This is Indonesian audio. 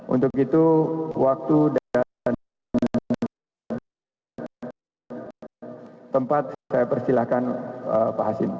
untuk itu waktu dan tempat saya persilahkan pak hasim